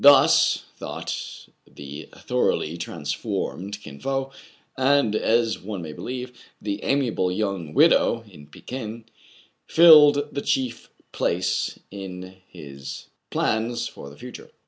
Thus thought the thoroughly transformed Kin Fo ; and, as one may believe, the amiable young widow in Pekin filled the chief place in his plans for the future.